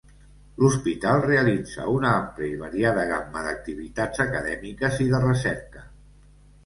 L'hospital realitza una àmplia i variada gamma d'activitats acadèmiques i de recerca.